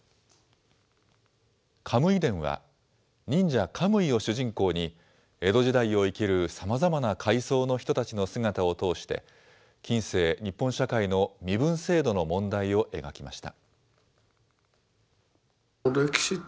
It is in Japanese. カムイ伝は、忍者カムイを主人公に、江戸時代を生きるさまざまな階層の人たちの姿を通して、近世日本社会の身分制度の問題を描きました。